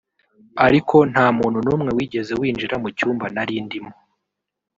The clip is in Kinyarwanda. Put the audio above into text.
ariko nta muntu n’umwe wigeze winjira mu cyumba nari ndimo